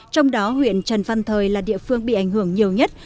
trong đó huyện trần văn thời là địa phương bị ảnh hưởng nhiều nhất